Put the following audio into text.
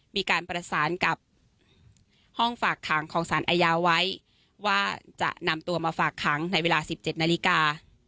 มีการประสานกับห้องฝากขังของสารอาญาไว้ว่าจะนำตัวมาฝากขังในเวลา๑๗นาฬิกา